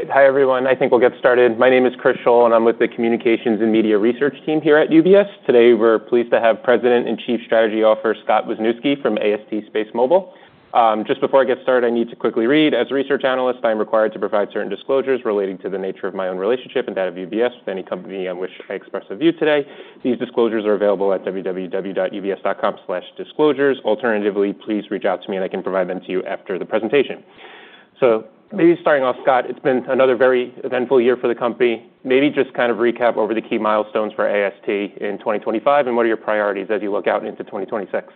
All right. Hi, everyone. I think we'll get started. My name is Chris Schoell, and I'm with the Communications and Media Research Team here at UBS. Today, we're pleased to have President and Chief Strategy Officer Scott Wisniewski from AST SpaceMobile. Just before I get started, I need to quickly read. As a research analyst, I'm required to provide certain disclosures relating to the nature of my own relationship and that of UBS with any company on which I express a view today. These disclosures are available at www.ubs.com/disclosures. Alternatively, please reach out to me, and I can provide them to you after the presentation. So maybe starting off, Scott, it's been another very eventful year for the company. Maybe just kind of recap over the key milestones for AST in 2025 and what are your priorities as you look out into 2026?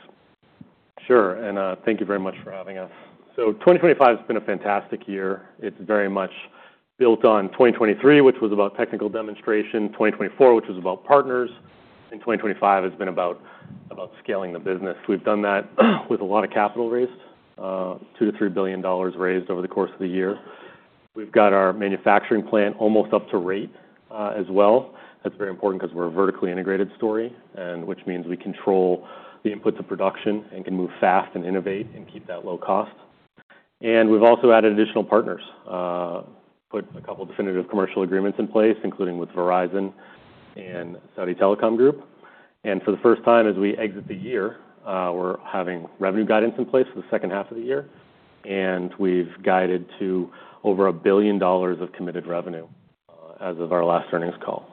Sure. And thank you very much for having us. So 2025 has been a fantastic year. It's very much built on 2023, which was about technical demonstration. 2024, which was about partners. And 2025 has been about scaling the business. We've done that with a lot of capital raised, $2 billion-$3 billion raised over the course of the year. We've got our manufacturing plant almost up to rate as well. That's very important because we're a vertically integrated story, which means we control the inputs of production and can move fast and innovate and keep that low cost. And we've also added additional partners, put a couple of definitive commercial agreements in place, including with Verizon and Saudi Telecom Company. And for the first time as we exit the year, we're having revenue guidance in place for the second half of the year. We've guided to over $1 billion of committed revenue as of our last earnings call.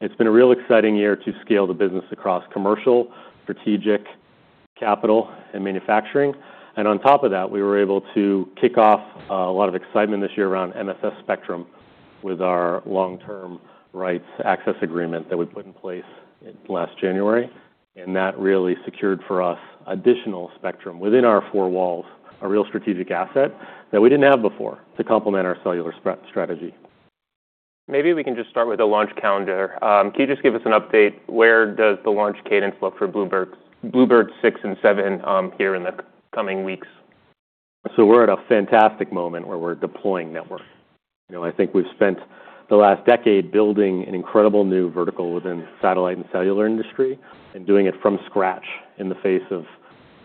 It's been a real exciting year to scale the business across commercial, strategic, capital, and manufacturing. On top of that, we were able to kick off a lot of excitement this year around MSS spectrum with our long-term rights access agreement that we put in place last January. That really secured for us additional spectrum within our four walls, a real strategic asset that we didn't have before to complement our cellular strategy. Maybe we can just start with the launch calendar. Can you just give us an update? Where does the launch cadence look for Bluebirds 6 and 7 here in the coming weeks? We're at a fantastic moment where we're deploying network. I think we've spent the last decade building an incredible new vertical within the satellite and cellular industry and doing it from scratch in the face of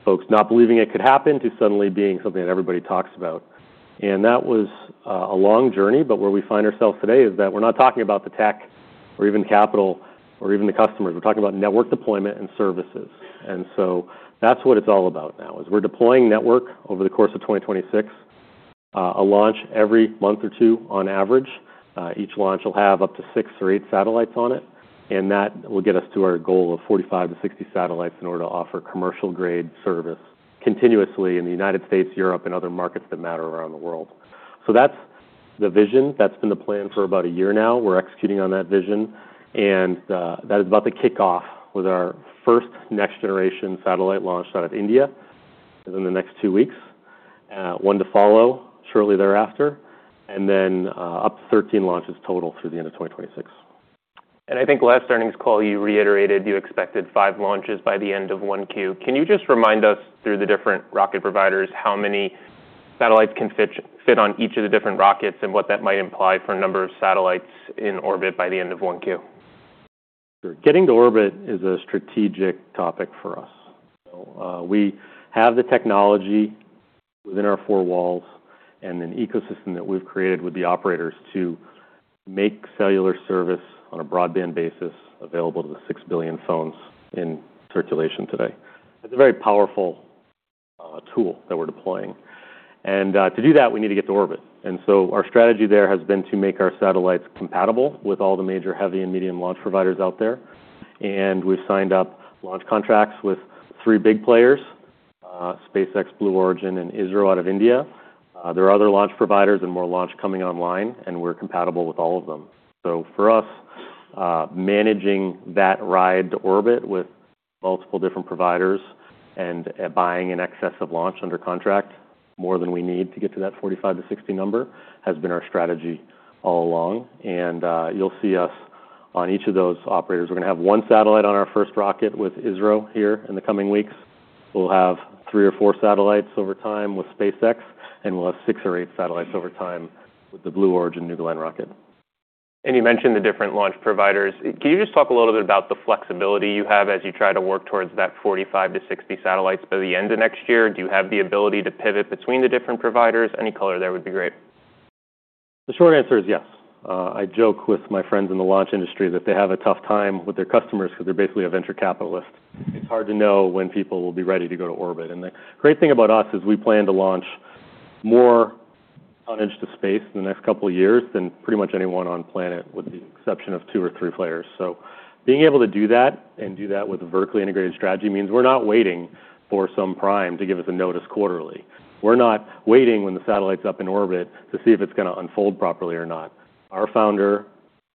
folks not believing it could happen to suddenly being something that everybody talks about. That was a long journey. Where we find ourselves today is that we're not talking about the tech or even capital or even the customers. We're talking about network deployment and services. That's what it's all about now, is we're deploying network over the course of 2026, a launch every month or two on average. Each launch will have up to six or eight satellites on it. And that will get us to our goal of 45-60 satellites in order to offer commercial-grade service continuously in the United States, Europe, and other markets that matter around the world. So that's the vision. That's been the plan for about a year now. We're executing on that vision. And that is about the kickoff with our first next-generation satellite launch out of India within the next two weeks, one to follow shortly thereafter, and then up to 13 launches total through the end of 2026. I think last earnings call, you reiterated you expected five launches by the end of Q1. Can you just remind us through the different rocket providers how many satellites can fit on each of the different rockets and what that might imply for a number of satellites in orbit by the end of Q1? Getting to orbit is a strategic topic for us. We have the technology within our four walls and an ecosystem that we've created with the operators to make cellular service on a broadband basis available to the six billion phones in circulation today. It's a very powerful tool that we're deploying, and to do that, we need to get to orbit, and so our strategy there has been to make our satellites compatible with all the major heavy and medium launch providers out there, and we've signed up launch contracts with three big players, SpaceX, Blue Origin, and ISRO out of India. There are other launch providers and more launch coming online, and we're compatible with all of them. So for us, managing that ride to orbit with multiple different providers and buying in excess of launch under contract more than we need to get to that 45-60 number has been our strategy all along. And you'll see us on each of those operators. We're going to have one satellite on our first rocket with ISRO here in the coming weeks. We'll have three or four satellites over time with SpaceX, and we'll have six or eight satellites over time with the Blue Origin New Glenn rocket. And you mentioned the different launch providers. Can you just talk a little bit about the flexibility you have as you try to work towards that 45-60 satellites by the end of next year? Do you have the ability to pivot between the different providers? Any color there would be great. The short answer is yes. I joke with my friends in the launch industry that they have a tough time with their customers because they're basically a venture capitalist. It's hard to know when people will be ready to go to orbit. And the great thing about us is we plan to launch more tonnage to space in the next couple of years than pretty much anyone on planet with the exception of two or three players. So being able to do that and do that with a vertically integrated strategy means we're not waiting for some prime to give us a notice quarterly. We're not waiting when the satellite's up in orbit to see if it's going to unfold properly or not. Our founder,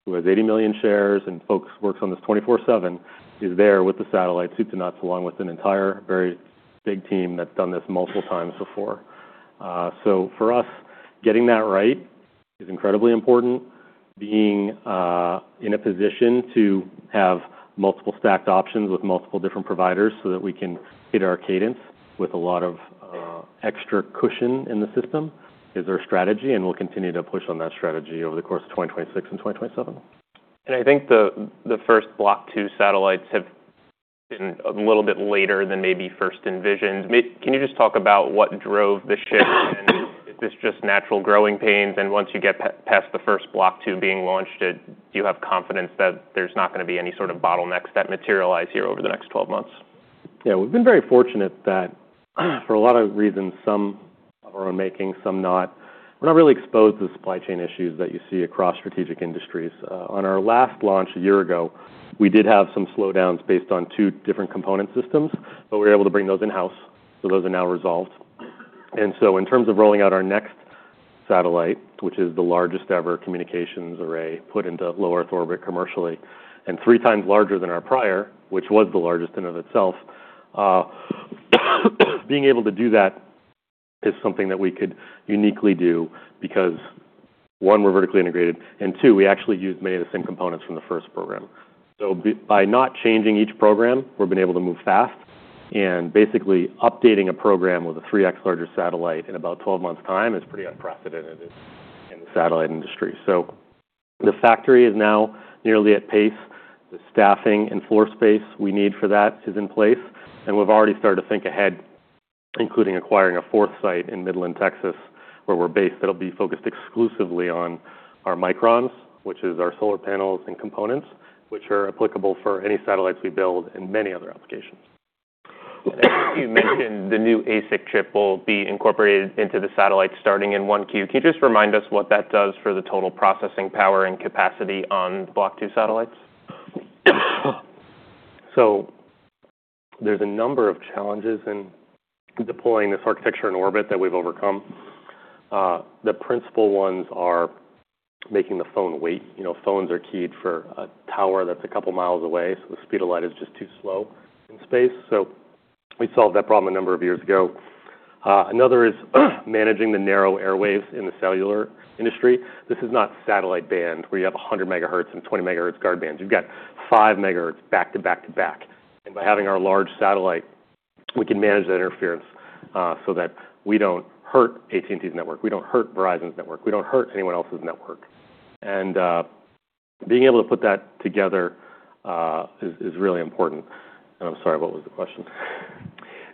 who has 80 million shares and works on this 24/7, is there with the satellite, soup to nuts, along with an entire very big team that's done this multiple times before. So for us, getting that right is incredibly important. Being in a position to have multiple stacked options with multiple different providers so that we can hit our cadence with a lot of extra cushion in the system is our strategy. And we'll continue to push on that strategy over the course of 2026 and 2027. I think the first block two satellites have been a little bit later than maybe first envisioned. Can you just talk about what drove the shift? And is this just natural growing pains? And once you get past the first block two being launched, do you have confidence that there's not going to be any sort of bottlenecks that materialize here over the next 12 months? Yeah. We've been very fortunate that for a lot of reasons, some of our own making, some not, we're not really exposed to the supply chain issues that you see across strategic industries. On our last launch a year ago, we did have some slowdowns based on two different component systems, but we were able to bring those in-house. So those are now resolved. And so in terms of rolling out our next satellite, which is the largest ever communications array put into low Earth orbit commercially and 3x larger than our prior, which was the largest in and of itself, being able to do that is something that we could uniquely do because, one, we're vertically integrated, and two, we actually use many of the same components from the first program. So by not changing each program, we've been able to move fast. And basically, updating a program with a 3x larger satellite in about 12 months' time is pretty unprecedented in the satellite industry. So the factory is now nearly at pace. The staffing and floor space we need for that is in place. And we've already started to think ahead, including acquiring a fourth site in Midland, Texas, where we're based that'll be focused exclusively on our Microns, which is our solar panels and components, which are applicable for any satellites we build and many other applications. You mentioned the new ASIC chip will be incorporated into the satellite starting in Q1. Can you just remind us what that does for the total processing power and capacity on Block 2 satellites? So there's a number of challenges in deploying this architecture in orbit that we've overcome. The principal ones are making the phone wait. Phones are keyed for a tower that's a couple of miles away, so the speed of light is just too slow in space. So we solved that problem a number of years ago. Another is managing the narrow airwaves in the cellular industry. This is not satellite band where you have 100 MHz and 20 MHz guard bands. You've got 5 MHz back to back to back. And by having our large satellite, we can manage that interference so that we don't hurt AT&T's network. We don't hurt Verizon's network. We don't hurt anyone else's network. And being able to put that together is really important. And I'm sorry, what was the question?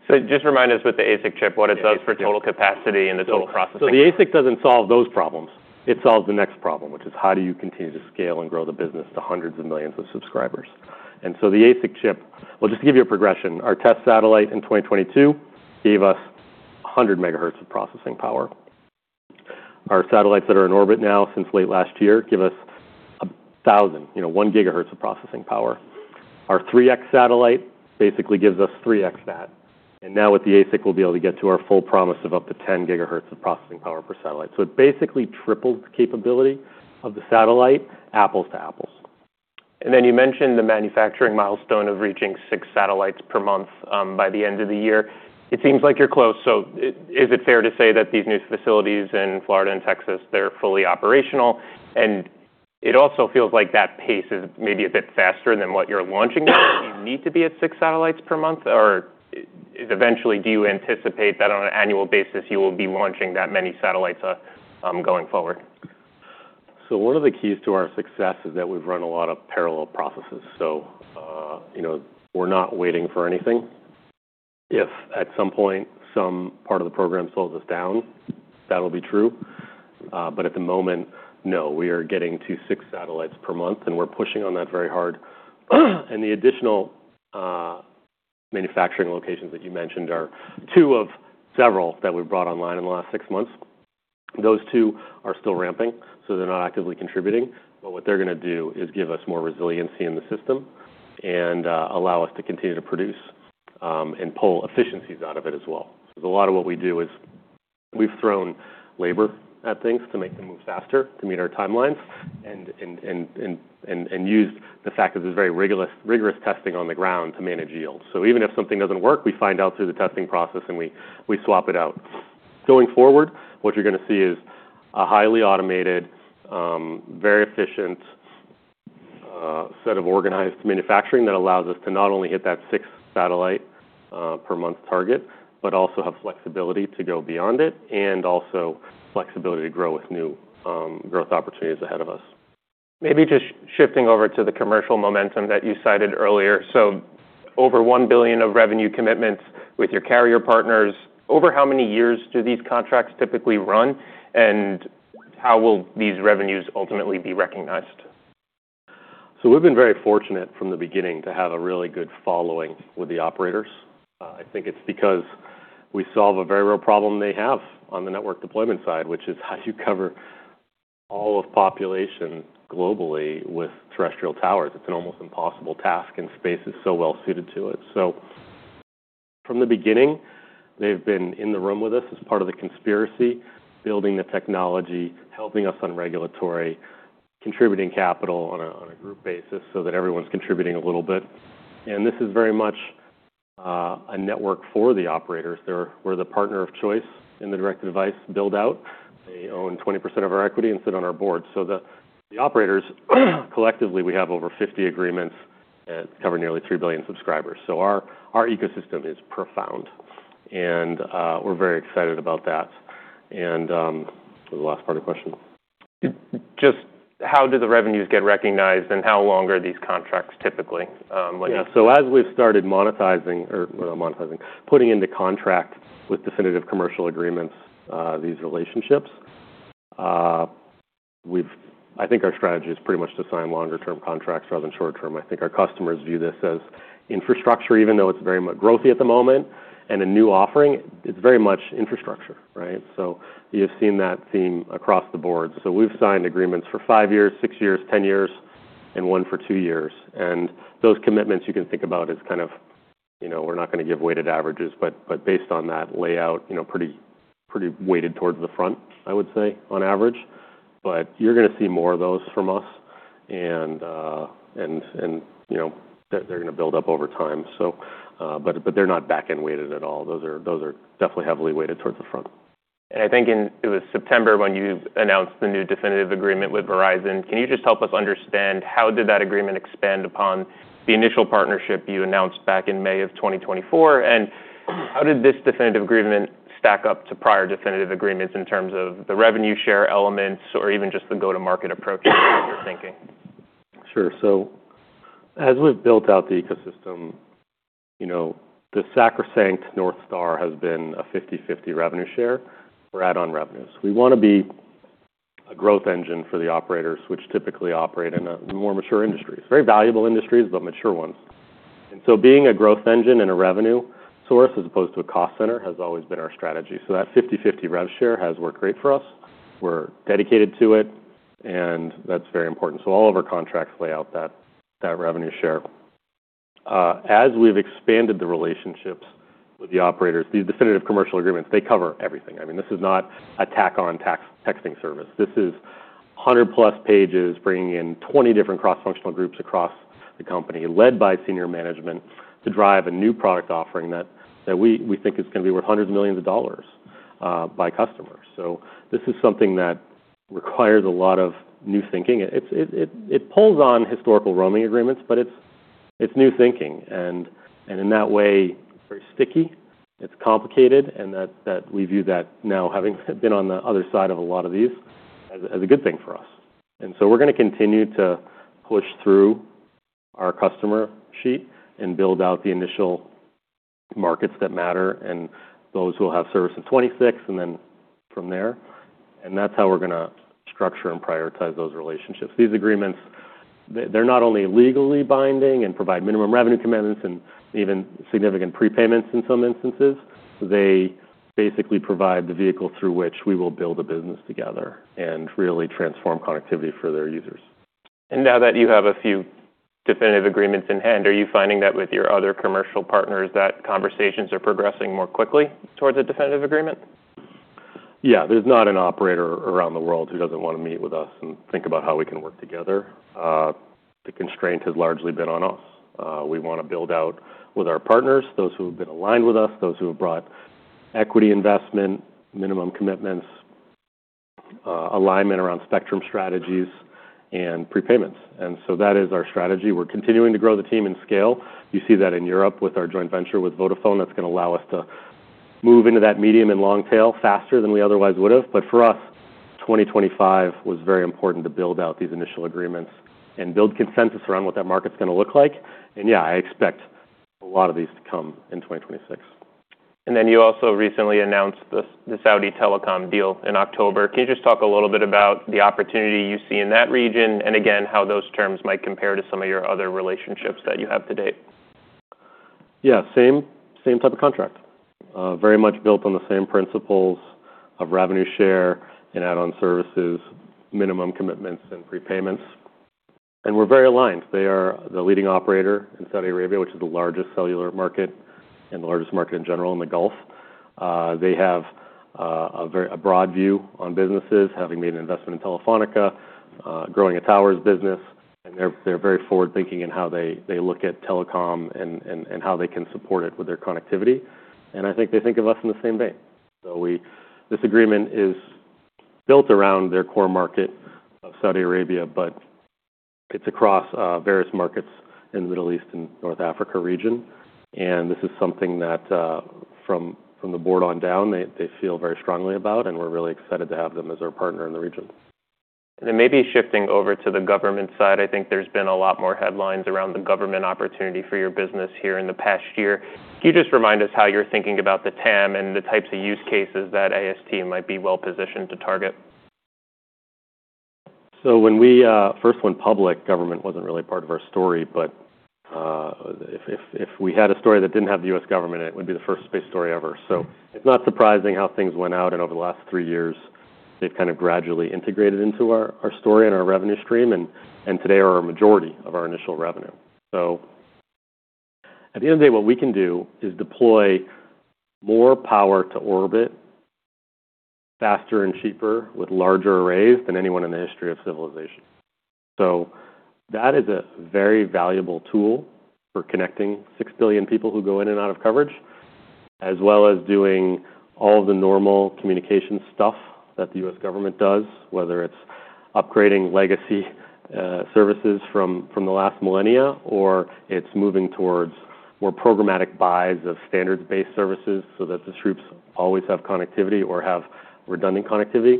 So, just remind us what the ASIC chip, what it does for total capacity and the total processing? So the ASIC doesn't solve those problems. It solves the next problem, which is how do you continue to scale and grow the business to hundreds of millions of subscribers? And so the ASIC chip, well, just to give you a progression, our test satellite in 2022 gave us 100 MHz of processing power. Our satellites that are in orbit now since late last year give us 1,000, 1 GHz of processing power. Our 3x satellite basically gives us 3x that. And now with the ASIC, we'll be able to get to our full promise of up to 10 GHz of processing power per satellite. So it basically tripled the capability of the satellite, apples to apples. And then you mentioned the manufacturing milestone of reaching six satellites per month by the end of the year. It seems like you're close. So is it fair to say that these new facilities in Florida and Texas, they're fully operational? And it also feels like that pace is maybe a bit faster than what you're launching. Do you need to be at six satellites per month? Or eventually, do you anticipate that on an annual basis, you will be launching that many satellites going forward? One of the keys to our success is that we've run a lot of parallel processes. We're not waiting for anything. If at some point some part of the program slows us down, that'll be true. At the moment, no. We are getting to six satellites per month, and we're pushing on that very hard. The additional manufacturing locations that you mentioned are two of several that we've brought online in the last six months. Those two are still ramping, so they're not actively contributing. What they're going to do is give us more resiliency in the system and allow us to continue to produce and pull efficiencies out of it as well. So a lot of what we do is we've thrown labor at things to make them move faster, to meet our timelines, and used the fact that there's very rigorous testing on the ground to manage yield. So even if something doesn't work, we find out through the testing process, and we swap it out. Going forward, what you're going to see is a highly automated, very efficient set of organized manufacturing that allows us to not only hit that six-satellite-per-month target, but also have flexibility to go beyond it and also flexibility to grow with new growth opportunities ahead of us. Maybe just shifting over to the commercial momentum that you cited earlier. So over $1 billion of revenue commitments with your carrier partners. Over how many years do these contracts typically run? And how will these revenues ultimately be recognized? So we've been very fortunate from the beginning to have a really good following with the operators. I think it's because we solve a very real problem they have on the network deployment side, which is how do you cover all of population globally with terrestrial towers? It's an almost impossible task, and space is so well suited to it. So from the beginning, they've been in the room with us as part of the consortium, building the technology, helping us on regulatory, contributing capital on a group basis so that everyone's contributing a little bit. And this is very much a network for the operators. They're the partner of choice in the direct device build-out. They own 20% of our equity and sit on our board. So the operators, collectively, we have over 50 agreements that cover nearly 3 billion subscribers. So our ecosystem is profound, and we're very excited about that. And that was the last part of the question. Just how do the revenues get recognized, and how long are these contracts typically? Yeah. So as we've started monetizing or not monetizing, putting into contract with definitive commercial agreements these relationships, I think our strategy is pretty much to sign longer-term contracts rather than short-term. I think our customers view this as infrastructure, even though it's very growthy at the moment. And a new offering, it's very much infrastructure, right? So you've seen that theme across the board. So we've signed agreements for five years, six years, ten years, and one for two years. And those commitments, you can think about as kind of, we're not going to give weighted averages, but based on that layout, pretty weighted towards the front, I would say, on average. But you're going to see more of those from us, and they're going to build up over time. But they're not back-end weighted at all. Those are definitely heavily weighted towards the front. And I think it was September when you announced the new definitive agreement with Verizon. Can you just help us understand how did that agreement expand upon the initial partnership you announced back in May of 2024? And how did this definitive agreement stack up to prior definitive agreements in terms of the revenue share elements or even just the go-to-market approach you're thinking? Sure. So as we've built out the ecosystem, the sacrosanct North Star has been a 50/50 revenue share for add-on revenues. We want to be a growth engine for the operators, which typically operate in more mature industries, very valuable industries, but mature ones. And so being a growth engine and a revenue source as opposed to a cost center has always been our strategy. So that 50/50 rev share has worked great for us. We're dedicated to it, and that's very important. So all of our contracts lay out that revenue share. As we've expanded the relationships with the operators, these definitive commercial agreements, they cover everything. I mean, this is not a tack-on texting service. This is 100+ pages bringing in 20 different cross-functional groups across the company led by senior management to drive a new product offering that we think is going to be worth hundreds of millions of dollars by customers. So this is something that requires a lot of new thinking. It pulls on historical roaming agreements, but it's new thinking. And in that way, it's very sticky. It's complicated, and that we view that now, having been on the other side of a lot of these, as a good thing for us. And so we're going to continue to push through our customer sheet and build out the initial markets that matter and those who will have service in 2026 and then from there. And that's how we're going to structure and prioritize those relationships. These agreements, they're not only legally binding and provide minimum revenue commitments and even significant prepayments in some instances. They basically provide the vehicle through which we will build a business together and really transform connectivity for their users. Now that you have a few definitive agreements in hand, are you finding that with your other commercial partners, that conversations are progressing more quickly towards a definitive agreement? Yeah. There's not an operator around the world who doesn't want to meet with us and think about how we can work together. The constraint has largely been on us. We want to build out with our partners, those who have been aligned with us, those who have brought equity investment, minimum commitments, alignment around spectrum strategies, and prepayments. And so that is our strategy. We're continuing to grow the team and scale. You see that in Europe with our joint venture with Vodafone that's going to allow us to move into that medium and long tail faster than we otherwise would have. But for us, 2025 was very important to build out these initial agreements and build consensus around what that market's going to look like. And yeah, I expect a lot of these to come in 2026. And then you also recently announced the Saudi Telecom deal in October. Can you just talk a little bit about the opportunity you see in that region and, again, how those terms might compare to some of your other relationships that you have today? Yeah. Same type of contract. Very much built on the same principles of revenue share and add-on services, minimum commitments, and prepayments, and we're very aligned. They are the leading operator in Saudi Arabia, which is the largest cellular market and the largest market in general in the Gulf. They have a broad view on businesses, having made an investment in Telefónica, growing a towers business, and they're very forward-thinking in how they look at telecom and how they can support it with their connectivity, and I think they think of us in the same vein, so this agreement is built around their core market of Saudi Arabia, but it's across various markets in the Middle East and North Africa region, and this is something that from the board on down, they feel very strongly about, and we're really excited to have them as our partner in the region. And then maybe shifting over to the government side, I think there's been a lot more headlines around the government opportunity for your business here in the past year. Can you just remind us how you're thinking about the TAM and the types of use cases that AST might be well-positioned to target? So when we first went public, government wasn't really part of our story. But if we had a story that didn't have the U.S. government, it would be the first space story ever. So it's not surprising how things went out. And over the last three years, they've kind of gradually integrated into our story and our revenue stream and today are a majority of our initial revenue. So at the end of the day, what we can do is deploy more power to orbit faster and cheaper with larger arrays than anyone in the history of civilization. That is a very valuable tool for connecting 6 billion people who go in and out of coverage, as well as doing all of the normal communication stuff that the U.S. government does, whether it's upgrading legacy services from the last millennia or it's moving towards more programmatic buys of standards-based services so that the troops always have connectivity or have redundant connectivity,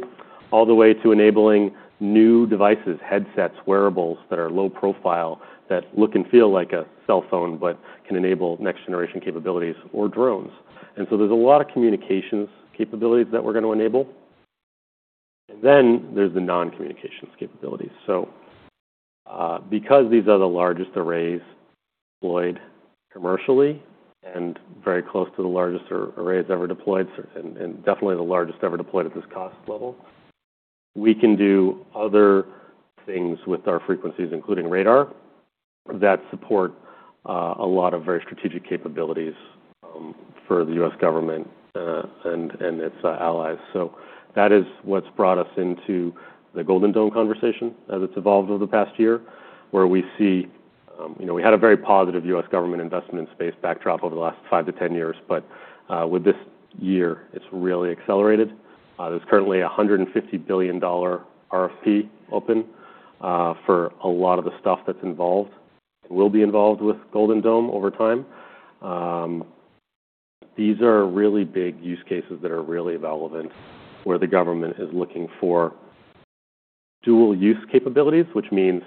all the way to enabling new devices, headsets, wearables that are low profile that look and feel like a cell phone but can enable next-generation capabilities or drones. And so there's a lot of communications capabilities that we're going to enable. And then there's the non-communications capabilities. So because these are the largest arrays deployed commercially and very close to the largest arrays ever deployed and definitely the largest ever deployed at this cost level, we can do other things with our frequencies, including radar, that support a lot of very strategic capabilities for the U.S. government and its allies. So that is what's brought us into the Golden Dome conversation as it's evolved over the past year, where we see we had a very positive U.S. government investment space backdrop over the last five to 10 years. But with this year, it's really accelerated. There's currently a $150 billion RFP open for a lot of the stuff that's involved and will be involved with Golden Dome over time. These are really big use cases that are really relevant where the government is looking for dual-use capabilities, which means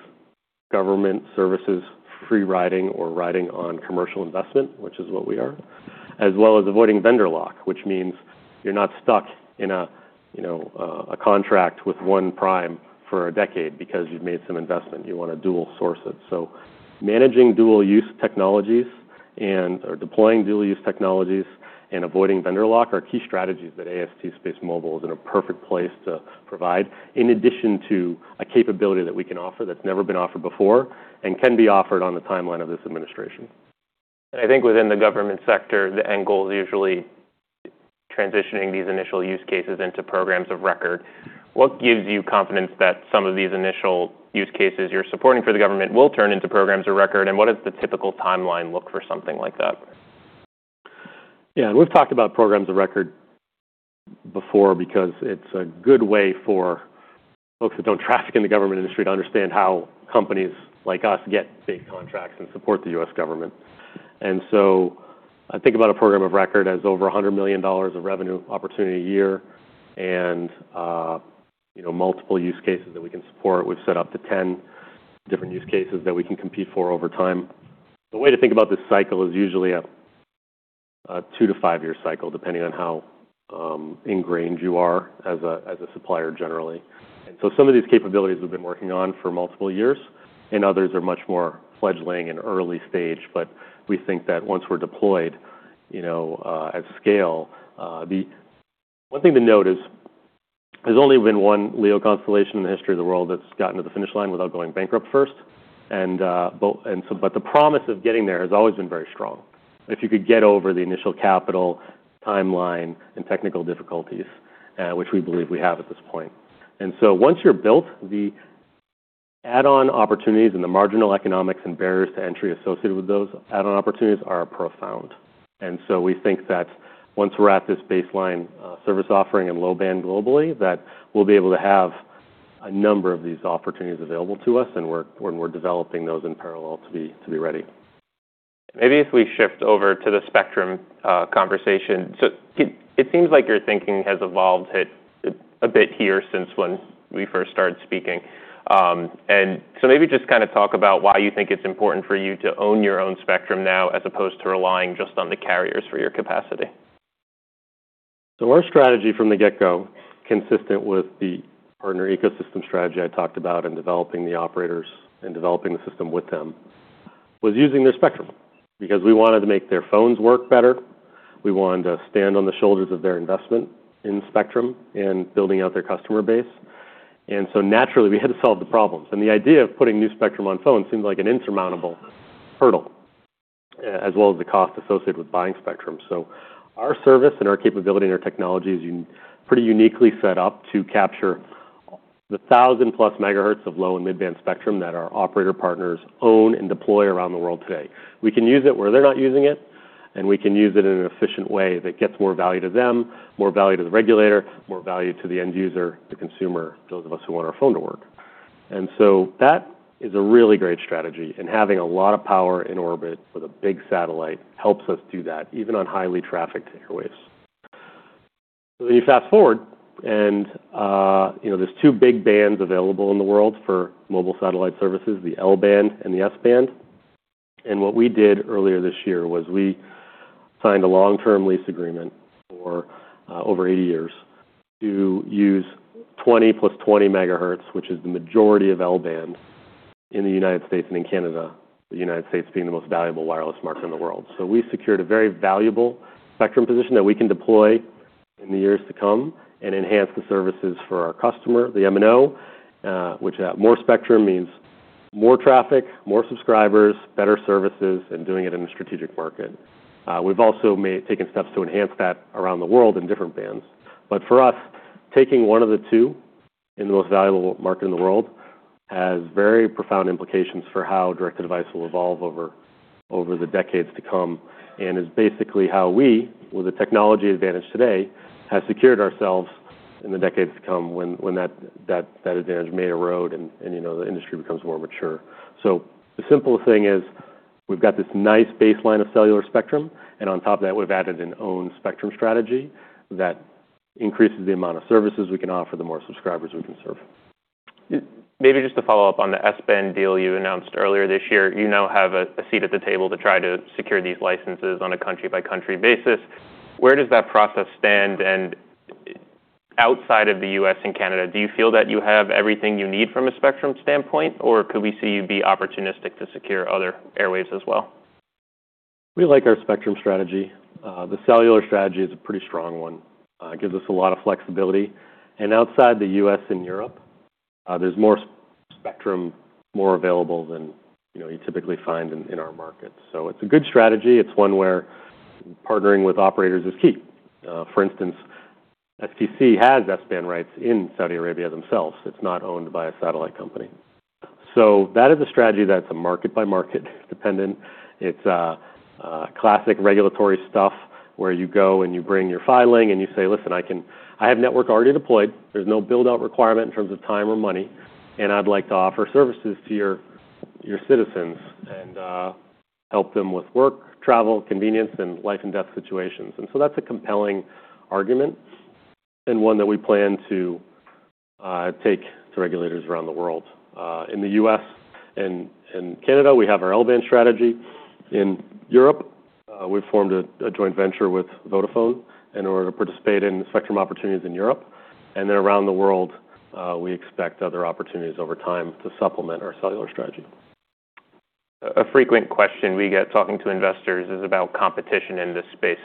government services, free riding or riding on commercial investment, which is what we are, as well as avoiding vendor lock, which means you're not stuck in a contract with one prime for a decade because you've made some investment. You want to dual-source it, so managing dual-use technologies and deploying dual-use technologies and avoiding vendor lock are key strategies that AST SpaceMobile is in a perfect place to provide in addition to a capability that we can offer that's never been offered before and can be offered on the timeline of this administration. And I think within the government sector, the end goal is usually transitioning these initial use cases into programs of record. What gives you confidence that some of these initial use cases you're supporting for the government will turn into programs of record? And what does the typical timeline look for something like that? Yeah. And we've talked about programs of record before because it's a good way for folks that don't traffic in the government industry to understand how companies like us get big contracts and support the U.S. Government. And so I think about a program of record as over $100 million of revenue opportunity a year and multiple use cases that we can support. We've set up to 10 different use cases that we can compete for over time. The way to think about this cycle is usually 2-5 year cycle, depending on how ingrained you are as a supplier generally. And so some of these capabilities we've been working on for multiple years, and others are much more fledgling and early stage. But we think that once we're deployed at scale, one thing to note is there's only been one LEO constellation in the history of the world that's gotten to the finish line without going bankrupt first. But the promise of getting there has always been very strong. If you could get over the initial capital timeline and technical difficulties, which we believe we have at this point. And so once you're built, the add-on opportunities and the marginal economics and barriers to entry associated with those add-on opportunities are profound. And so we think that once we're at this baseline service offering and L-band globally, that we'll be able to have a number of these opportunities available to us, and we're developing those in parallel to be ready. Maybe if we shift over to the spectrum conversation. So it seems like your thinking has evolved a bit here since when we first started speaking. And so maybe just kind of talk about why you think it's important for you to own your own spectrum now as opposed to relying just on the carriers for your capacity. So our strategy from the get-go, consistent with the partner ecosystem strategy I talked about in developing the operators and developing the system with them, was using their spectrum because we wanted to make their phones work better. We wanted to stand on the shoulders of their investment in spectrum and building out their customer base. And so naturally, we had to solve the problems. And the idea of putting new spectrum on phones seemed like an insurmountable hurdle, as well as the cost associated with buying spectrum. So our service and our capability and our technology is pretty uniquely set up to capture the 1,000 MHz+ of low and mid-band spectrum that our operator partners own and deploy around the world today. We can use it where they're not using it, and we can use it in an efficient way that gets more value to them, more value to the regulator, more value to the end user, the consumer, those of us who want our phone to work, and so that is a really great strategy. And having a lot of power in orbit with a big satellite helps us do that, even on highly trafficked airwaves, so then you fast forward, and there's two big bands available in the world for mobile satellite services, the L-band and the S-band, and what we did earlier this year was we signed a long-term lease agreement for over 80 years to use 20+ 20 MHz, which is the majority of L-band in the United States and in Canada, the United States being the most valuable wireless market in the world. So we secured a very valuable spectrum position that we can deploy in the years to come and enhance the services for our customer, the M&O, which more spectrum means more traffic, more subscribers, better services, and doing it in a strategic market. We've also taken steps to enhance that around the world in different bands. But for us, taking one of the two in the most valuable market in the world has very profound implications for how direct-to-device will evolve over the decades to come and is basically how we, with the technology advantage today, have secured ourselves in the decades to come when that advantage may erode and the industry becomes more mature. So the simplest thing is we've got this nice baseline of cellular spectrum, and on top of that, we've added our own spectrum strategy that increases the amount of services we can offer the more subscribers we can serve. Maybe just to follow up on the S-band deal you announced earlier this year, you now have a seat at the table to try to secure these licenses on a country-by-country basis. Where does that process stand? And outside of the U.S. and Canada, do you feel that you have everything you need from a spectrum standpoint, or could we see you be opportunistic to secure other airwaves as well? We like our spectrum strategy. The cellular strategy is a pretty strong one. It gives us a lot of flexibility, and outside the U.S. and Europe, there's more spectrum available than you typically find in our market. It's a good strategy. It's one where partnering with operators is key. For instance, STC has S-band rights in Saudi Arabia themselves. It's not owned by a satellite company. That is a strategy that's a market-by-market dependent. It's classic regulatory stuff where you go and you bring your filing and you say, "Listen, I have network already deployed. There's no build-out requirement in terms of time or money, and I'd like to offer services to your citizens and help them with work, travel, convenience, and life-and-death situations." That's a compelling argument and one that we plan to take to regulators around the world. In the U.S. and Canada, we have our L-band strategy. In Europe, we've formed a joint venture with Vodafone in order to participate in spectrum opportunities in Europe, and then around the world, we expect other opportunities over time to supplement our cellular strategy. A frequent question we get talking to investors is about competition in this space.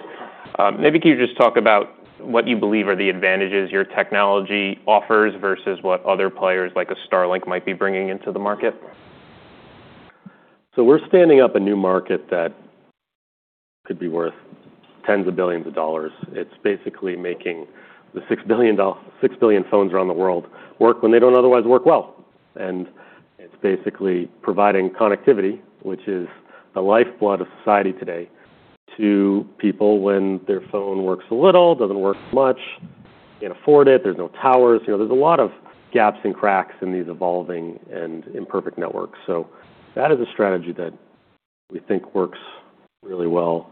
Maybe can you just talk about what you believe are the advantages your technology offers versus what other players like a Starlink might be bringing into the market? We're standing up a new market that could be worth tens of billions of dollars. It's basically making the six billion phones around the world work when they don't otherwise work well. And it's basically providing connectivity, which is the lifeblood of society today, to people when their phone works a little, doesn't work much, can't afford it, there's no towers. There's a lot of gaps and cracks in these evolving and imperfect networks. That is a strategy that we think works really well.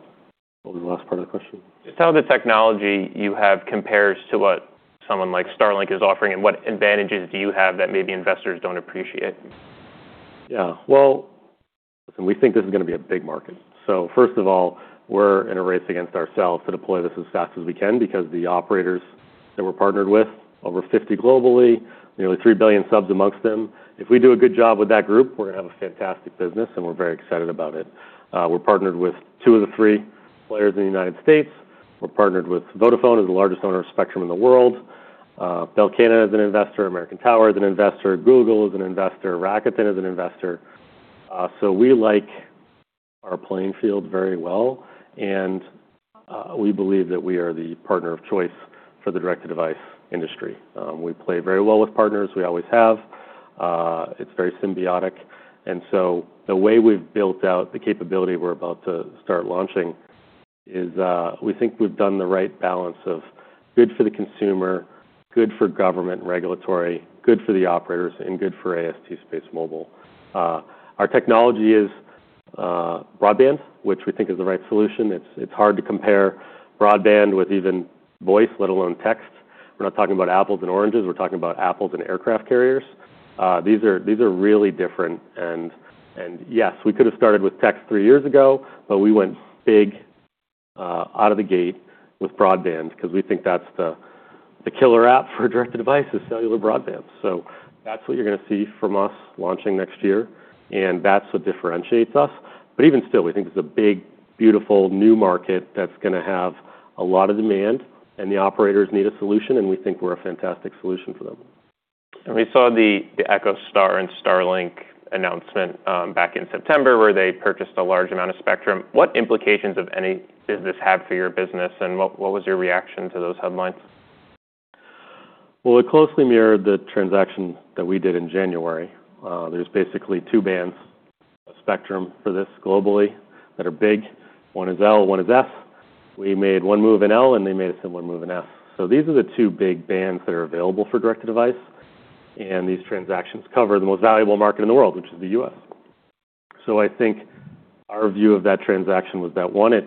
What was the last part of the question? Just how the technology you have compares to what someone like Starlink is offering and what advantages do you have that maybe investors don't appreciate? Yeah. Well, listen, we think this is going to be a big market. So first of all, we're in a race against ourselves to deploy this as fast as we can because the operators that we're partnered with, over 50 globally, nearly three billion subs amongst them. If we do a good job with that group, we're going to have a fantastic business, and we're very excited about it. We're partnered with two of the three players in the United States. We're partnered with Vodafone as the largest owner of spectrum in the world. Bell Canada is an investor, American Tower is an investor, Google is an investor, Rakuten is an investor. So we like our playing field very well, and we believe that we are the partner of choice for the direct-to-device industry. We play very well with partners. We always have. It's very symbiotic. And so the way we've built out the capability we're about to start launching is we think we've done the right balance of good for the consumer, good for government regulatory, good for the operators, and good for AST SpaceMobile. Our technology is broadband, which we think is the right solution. It's hard to compare broadband with even voice, let alone text. We're not talking about apples and oranges. We're talking about apples and aircraft carriers. These are really different. And yes, we could have started with text three years ago, but we went big out of the gate with broadband because we think that's the killer app for direct-to-device is cellular broadband. So that's what you're going to see from us launching next year, and that's what differentiates us. But even still, we think it's a big, beautiful new market that's going to have a lot of demand, and the operators need a solution, and we think we're a fantastic solution for them. And we saw the EchoStar and Starlink announcement back in September where they purchased a large amount of spectrum. What implications, if any, does this have for your business, and what was your reaction to those headlines? It closely mirrored the transaction that we did in January. There's basically two bands of spectrum for this globally that are big. One is L, one is S. We made one move in L, and they made a similar move in S. So these are the two big bands that are available for direct-to-device, and these transactions cover the most valuable market in the world, which is the U.S. So I think our view of that transaction was that, one, it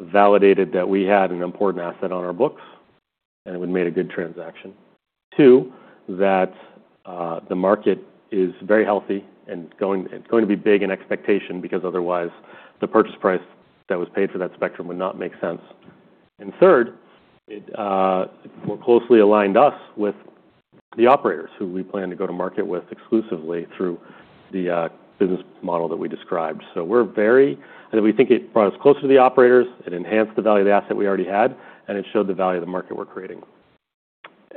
validated that we had an important asset on our books, and it would have made a good transaction. Two, that the market is very healthy and going to be big in expectation because otherwise the purchase price that was paid for that spectrum would not make sense. And third, it more closely aligned us with the operators who we plan to go to market with exclusively through the business model that we described. So we're very, I think. We think it brought us closer to the operators. It enhanced the value of the asset we already had, and it showed the value of the market we're creating.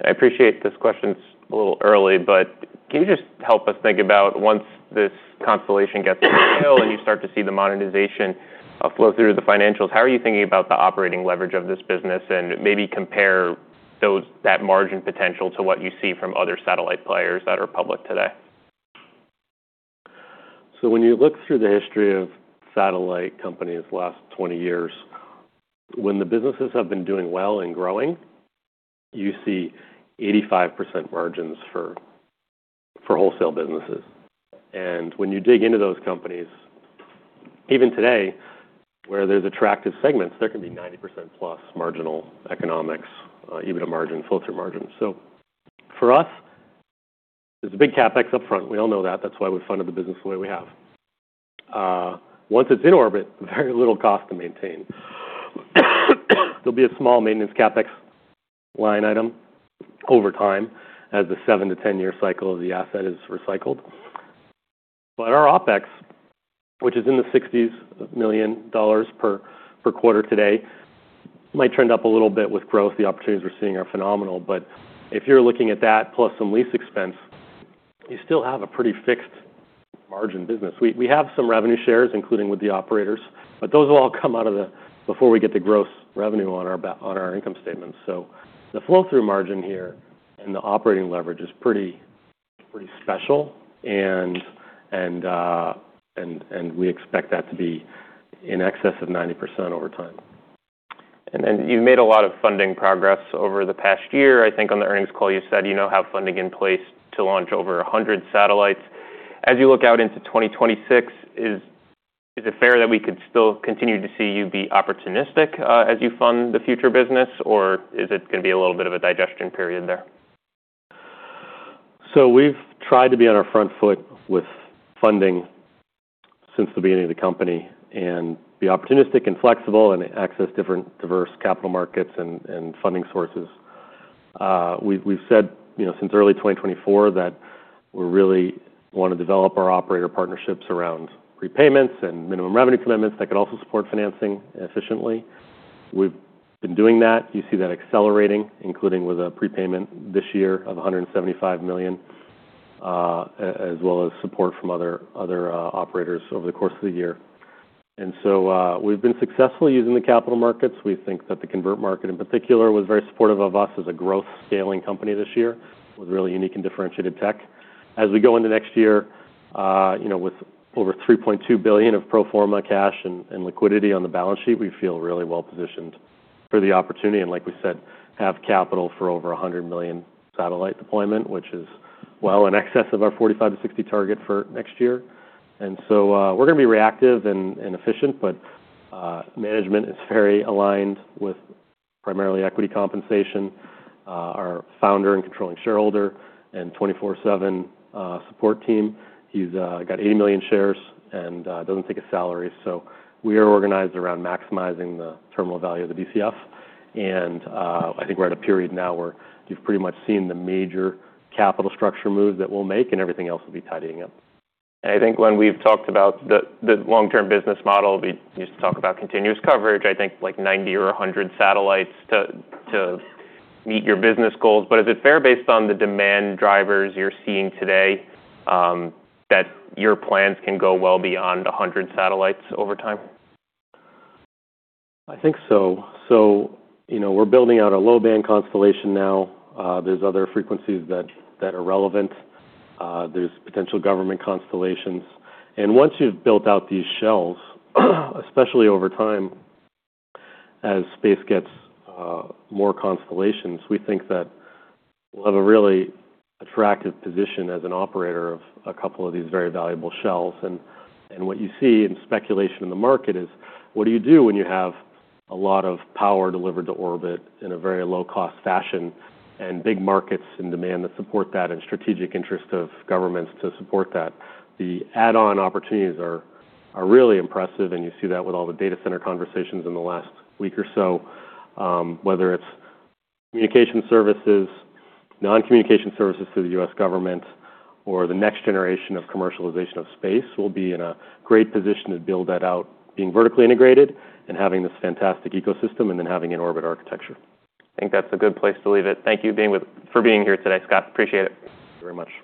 I appreciate this question's a little early, but can you just help us think about once this constellation gets into service and you start to see the monetization flow through the financials, how are you thinking about the operating leverage of this business and maybe compare that margin potential to what you see from other satellite players that are public today? So when you look through the history of satellite companies the last 20 years, when the businesses have been doing well and growing, you see 85% margins for wholesale businesses. And when you dig into those companies, even today, where there's attractive segments, there can be 90%+ marginal economics, even a margin, filter margin. So for us, there's a big CapEx upfront. We all know that. That's why we funded the business the way we have. Once it's in orbit, very little cost to maintain. There'll be a small maintenance CapEx line item over time as the 7-10 year cycle of the asset is recycled. But our OPEX, which is in the $60 million per quarter today, might trend up a little bit with growth. The opportunities we're seeing are phenomenal. But if you're looking at that plus some lease expense, you still have a pretty fixed margin business. We have some revenue shares, including with the operators, but those will all come out of the before we get the gross revenue on our income statements, so the flow-through margin here and the operating leverage is pretty special, and we expect that to be in excess of 90% over time. And then you've made a lot of funding progress over the past year. I think on the earnings call, you said you now have funding in place to launch over 100 satellites. As you look out into 2026, is it fair that we could still continue to see you be opportunistic as you fund the future business, or is it going to be a little bit of a digestion period there? So we've tried to be on our front foot with funding since the beginning of the company and be opportunistic and flexible and access different diverse capital markets and funding sources. We've said since early 2024 that we really want to develop our operator partnerships around repayments and minimum revenue commitments that could also support financing efficiently. We've been doing that. You see that accelerating, including with a prepayment this year of $175 million, as well as support from other operators over the course of the year. And so we've been successful using the capital markets. We think that the convert market in particular was very supportive of us as a growth-scaling company this year with really unique and differentiated tech. As we go into next year with over $3.2 billion of pro forma cash and liquidity on the balance sheet, we feel really well-positioned for the opportunity and, like we said, have capital for over $100 million satellite deployment, which is well in excess of our 45-60 target for next year. And so we're going to be reactive and efficient, but management is very aligned with primarily equity compensation. Our founder and controlling shareholder and 24/7 support team, he's got 80 million shares and doesn't take a salary. So we are organized around maximizing the terminal value of the BCF. And I think we're at a period now where you've pretty much seen the major capital structure move that we'll make, and everything else will be tidying up. And I think when we've talked about the long-term business model, we used to talk about continuous coverage. I think like 90 or 100 satellites to meet your business goals. But is it fair based on the demand drivers you're seeing today that your plans can go well beyond 100 satellites over time? I think so. So we're building out an L-band constellation now. There's other frequencies that are relevant. There's potential government constellations. And once you've built out these shells, especially over time as space gets more constellations, we think that we'll have a really attractive position as an operator of a couple of these very valuable shells. And what you see in speculation in the market is, what do you do when you have a lot of power delivered to orbit in a very low-cost fashion and big markets in demand that support that and strategic interest of governments to support that? The add-on opportunities are really impressive, and you see that with all the data center conversations in the last week or so. Whether it's communication services, non-communication services to the U.S. Government, or the next generation of commercialization of space, we'll be in a great position to build that out being vertically integrated and having this fantastic ecosystem and then having an orbital architecture. I think that's a good place to leave it. Thank you for being here today, Scott. Appreciate it. Thank you very much.